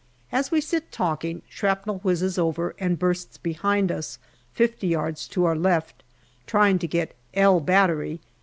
As we sit talking, shrapnel whizzes over and bursts behind us fifty yards to our left, trying to get " L " Battery.